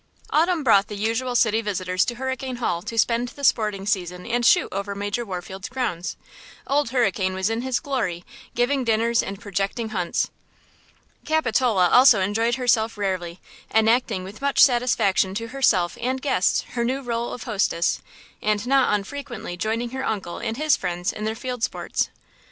AUTUMN brought the usual city visitors to Hurricane Hall to spend the sporting season and shoot over Major Warfield's grounds. Old Hurricane was in his glory, giving dinners and projecting hunts. Capitola also enjoyed herself rarely, enacting with much satisfaction to herself and guests her new rôle of hostess, and not unfrequently joining her uncle and his friends in their field sports.